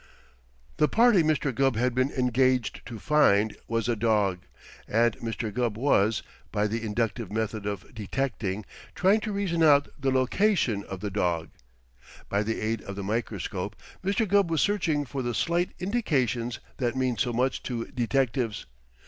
The party Mr. Gubb had been engaged to find was a dog, and Mr. Gubb was by the inductive method of detecting trying to reason out the location of the dog. By the aid of the microscope, Mr. Gubb was searching for the slight indications that mean so much to detectives.